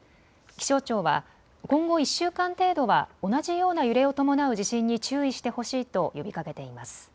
気象庁は今後１週間程度は同じような揺れを伴う地震に注意してほしいと呼びかけています。